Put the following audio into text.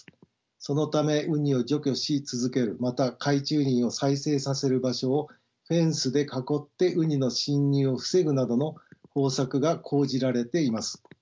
そのためウニを除去し続けるまた海中林を再生させる場所をフェンスで囲ってウニの侵入を防ぐなどの方策が講じられています。